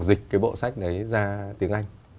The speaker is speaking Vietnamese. dịch cái bộ sách đấy ra tiếng anh